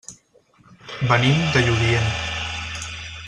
Venim de Lludient.